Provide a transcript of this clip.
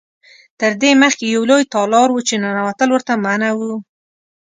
تر دې مخکې یو لوی تالار و چې ننوتل ورته منع و.